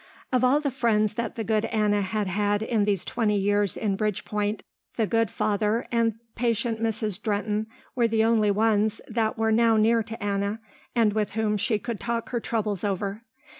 Of all the friends that the good Anna had had in these twenty years in Bridgepoint, the good father and patient Mrs. Drehten were the only ones that were now near to Anna and with whom she could talk her troubles over.